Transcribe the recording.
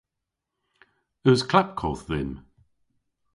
Eus klapkodh dhymm?